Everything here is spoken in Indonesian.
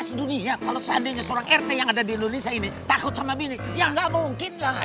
sedunia kalau seandainya seorang rt yang ada di indonesia ini takut sama bini ya nggak mungkin lah